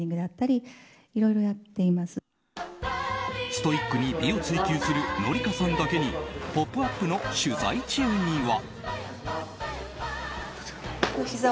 ストイックに美を追求する紀香さんだけに「ポップＵＰ！」の取材中には。